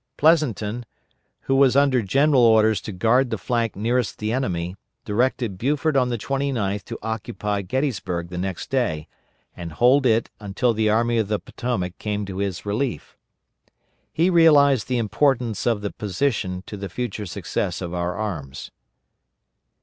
Pleasonton, who was under general orders to guard the flank nearest the enemy, directed Buford on the 29th to occupy Gettysburg the next day, and hold it until the Army of the Potomac came to his relief. He realized the importance of the position to the future success of our arms.